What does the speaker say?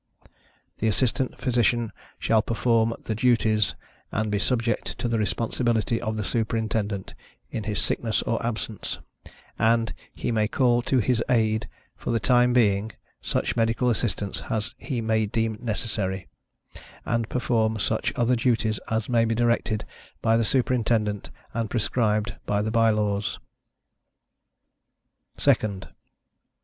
“The Assistant Physician shall perform” the “duties, and be subject to the responsibility of the Superintendent, in his sickness or absence, and” he “may call to his aid, for the time being, such medical assistance, as he may deem necessaryâ€ťâ€"â€śand perform such other duties as may be directed by the Superintendent and prescribed by the By Laws.â€ťâ€"[State Law of 1858. SECOND.